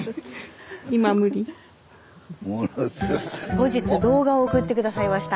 後日動画を送って下さいました。